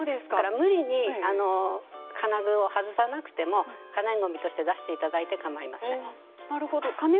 無理に金具を外さなくても可燃ごみとして出していただいてかまいません。